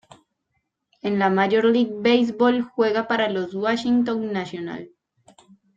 En la Major League Baseball juega para los Washington Nationals.